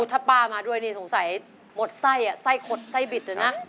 ถ้าป้ามาด้วยนี่สงสัยหมดไส้ไส้ขดไส้บิดเลยนะ